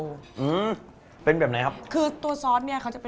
อืมเป็นแบบไหนครับ